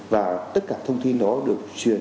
và tất cả thông tin của người dân sẽ được thực hiện